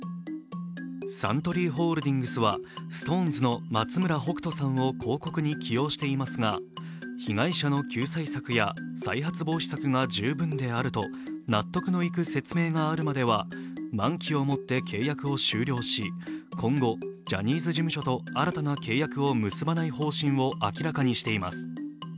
サントリーホールディングスはＳｉｘＴＯＮＥＳの松村北斗さんを広告に起用していますが、被害者の救済策や再発防止策が十分であると納得のいく説明があるまでは満期をもって契約を終了し今後ジャニーズ事務所と新たな契約を結ばない方針を明らかにしています。